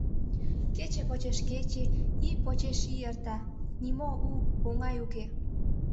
Кече почеш кече, ий почеш ий эрта — нимо у, оҥай уке.